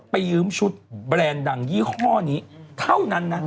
ไปยืมชุดแบรนด์ดังยี่ห้อนี้เท่านั้นนะ